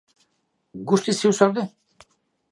Guztiz ziur zaude?